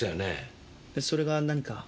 それが何か？